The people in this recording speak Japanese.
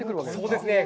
そうですね。